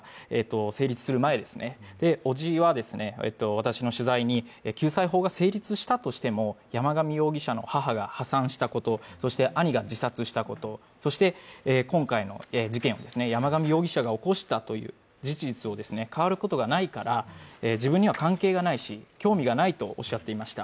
成立する前ですね、おじは、私の取材に救済法が成立したとしても山上容疑者の母が破産したこと、兄が自殺したこと、そして、今回の事件を山上容疑者が起こしたという事実は変わることがないから自分には関係がないし興味がないとおっしゃっていました。